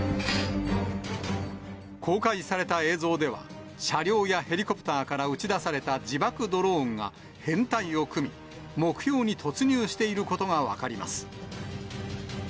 公開された映像では、車両やヘリコプターから打ち出された自爆ドローンが、編隊を組み、目標に突入していることが分かります。